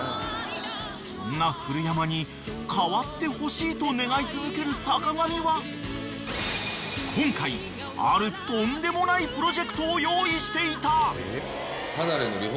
［そんな古山に変わってほしいと願い続ける坂上は今回あるとんでもないプロジェクトを用意していた］